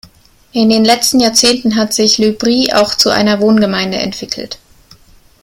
In den letzten Jahrzehnten hat sich Le Bry auch zu einer Wohngemeinde entwickelt.